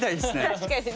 確かにね。